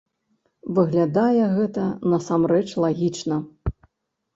Выглядае гэта, насамрэч, лагічна.